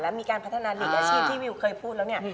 แล้วมีการพัฒนาหลีกอาชีพที่วิวเคยพูดแล้วเนี่ย